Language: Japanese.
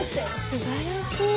すばらしい！